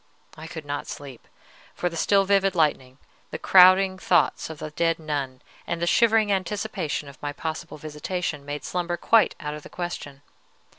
I could not sleep; for the still vivid lightning, the crowding thoughts of the dead nun, and the shivering anticipation of my possible visitation, made slumber quite out of the question.